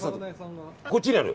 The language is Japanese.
こっちにある？